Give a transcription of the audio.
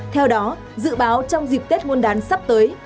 theo đó dự báo trong dịp tết nguyên đán sắp tới